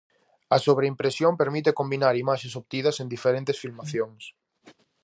A sobreimpresión permite combinar imaxes obtidas en diferentes filmacións.